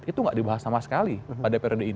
itu nggak dibahas sama sekali pada periode ini